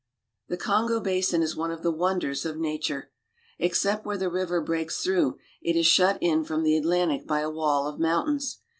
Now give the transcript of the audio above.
I The Kongo basin is one of the wonders of nature. Ex I rept where the river breaks through, it is shut in from I Jie Atlantic by a wall of mountains.